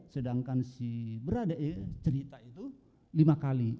sedangkan si berade cerita itu lima kali